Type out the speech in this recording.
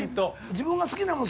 自分が好きなもん